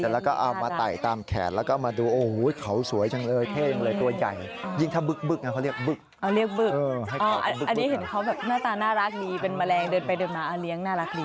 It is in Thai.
น่ารักดีเป็นแมลงเดินไปเดินมาเลี้ยงน่ารักดี